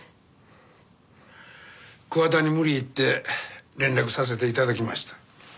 桑田に無理言って連絡させて頂きました。